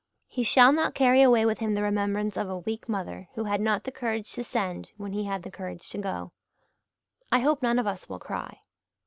He shall not carry away with him the remembrance of a weak mother who had not the courage to send when he had the courage to go. I hope none of us will cry."